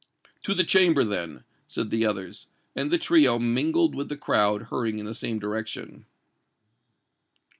"To the Chamber, then," said the others, and the trio mingled with the crowd hurrying in the same direction.